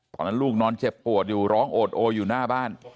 ตอนนั้นลูกนอนเจ็บปวดอยู่ร้องโอดโออยู่หน้าบ้าน